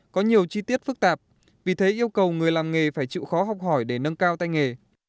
có nhiều chi tiết phức tạp vì thế yêu cầu người làm nghề phải chịu khó học hỏi để nâng cao tay nghề